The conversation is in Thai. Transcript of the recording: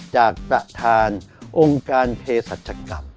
จากประธานองค์การเพศรัชกรรม